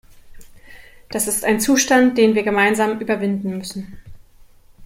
Das ist ein Zustand, den wir gemeinsam überwinden müssen.